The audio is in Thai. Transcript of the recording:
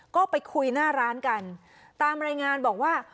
ก็ไปคุยหน้าร้านกันตามรายงานบอกว่า